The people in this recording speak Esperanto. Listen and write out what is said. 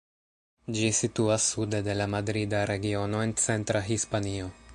Ĝi situas sude de la Madrida Regiono en centra Hispanio.